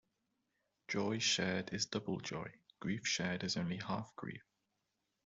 Joy shared is double joy; grief shared is only half grief.